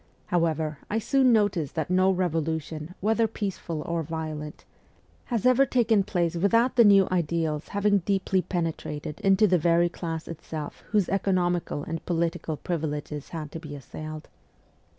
However, I soon noticed that no revolution, whether peaceful or violent, has ever taken place without the new ideals having deeply penetrated into the x very class itself whose economical and political privileges had to be assailed.